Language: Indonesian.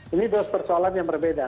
ini dua persoalan yang berbeda